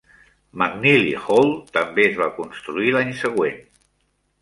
McNeely Hall també es va construir l'any següent.